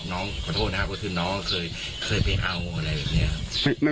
น้องขอโทษนะครับเพราะที่น้องเคยไปเอาอะไรแบบนี้ครับ